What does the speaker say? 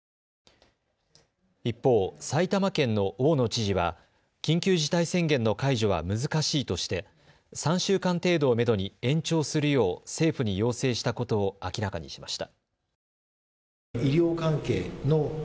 一方、埼玉県の大野知事は緊急事態宣言の解除は難しいとして３週間程度をめどに延長するよう政府に要請したことを明らかにしました。